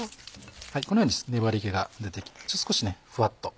このように粘り気が出て少しふわっと。